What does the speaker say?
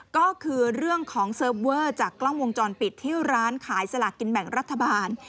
ก็คือเรื่องของเซิร์ฟเวอร์จากกล้องวงจรปิดที่ร้านขายสลากกินแบ่งรัฐบาล